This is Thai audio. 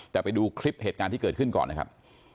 แต่ไปดูคลิปเหตุการณ์ที่เกิดขึ้นก่อนนะครับ